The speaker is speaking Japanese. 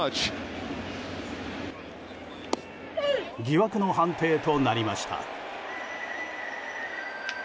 疑惑の判定となりました。